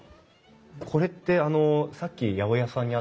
これってあのさっき八百屋さんにあった。